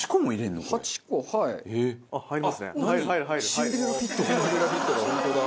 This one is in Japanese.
シンデレラフィットだ本当だ。